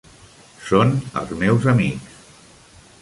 Són els meus amics.